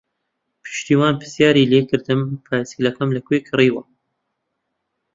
پشتیوان پرسیاری لێ کردم پایسکلەکەم لەکوێ کڕیوە.